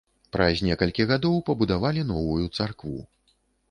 Праз некалькі гадоў пабудавалі новую царкву.